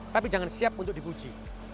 tapi jangan siap untuk dipuji